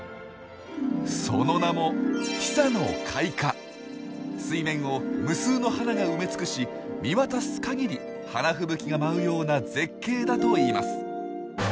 その名も水面を無数の花が埋め尽くし見渡す限り花吹雪が舞うような絶景だといいます。